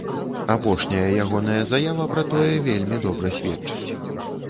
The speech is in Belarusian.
Апошняя ягоная заява пра тое вельмі добра сведчыць.